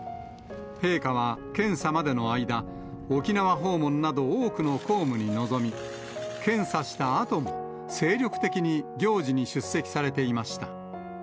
陛下は、検査までの間、沖縄訪問など、多くの公務に臨み、検査したあとも、精力的に行事に出席されていました。